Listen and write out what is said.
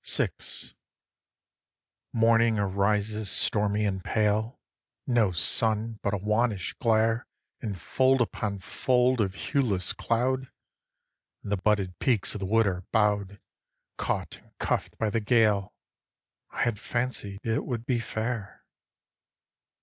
VI. 1. Morning arises stormy and pale, No sun, but a wannish glare In fold upon fold of hueless cloud, And the budded peaks of the wood are bow'd Caught and cuff'd by the gale: I had fancied it would be fair.